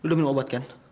lo udah minum obat kan